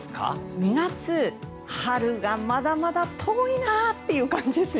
２月春がまだまだ遠いなっていう感じですね。